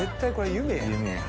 夢や。